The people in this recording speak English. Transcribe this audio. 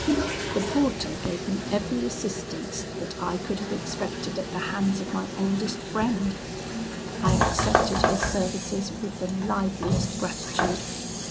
"The porter gave me every assistance that I could have expected at the hands of my oldest friend: I accepted his services with the liveliest gratitude.